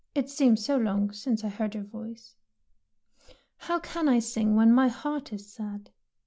It seems so long since I heard your voice.'' '' How can I sing when my heart is sad?